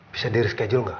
bisa di reschedule nggak